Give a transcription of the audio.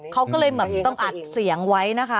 เขาก็เลยแบบต้องอัดเสียงไว้นะคะ